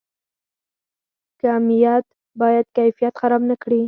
کمیت باید کیفیت خراب نکړي؟